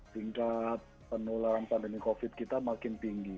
tingkat penularan pandemi covid sembilan belas kita makin tinggi